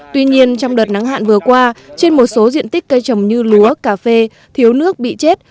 tuy nhiên trong đợt nắng hạn vừa qua trên một số diện tích cây trồng như lúa cà phê thiếu nước bị chết